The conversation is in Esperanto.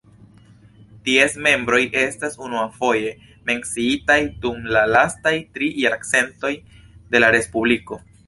Ties membroj estas unuafoje menciitaj dum la lastaj tri jarcentoj de la Respubliko.